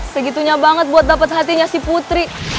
segitunya banget buat dapat hatinya si putri